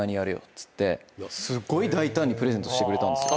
すっごい大胆にプレゼントしてくれたんですよ。